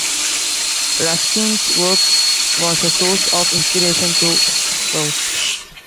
Ruskin's work was a source of inspiration to Proust.